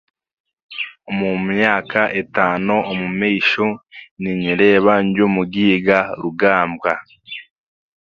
Omu myaka etaano omu maisho, ninyereeba ndi omugaiga rugambwa